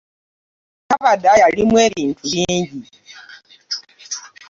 Kabada yalimu ebintu bingi.